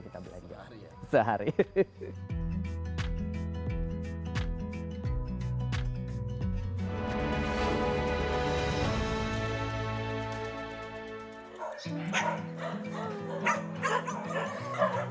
kucing kucing yang ada di rumah singgah klau